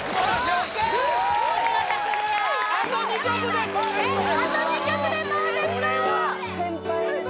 お見事クリアあと２曲でパーフェクトです